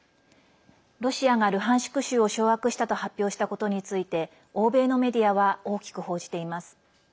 ロシアがルハンシク州を掌握したと発表したことについて欧米のメディアは大きく報じています。